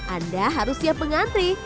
anda harus siap mengantri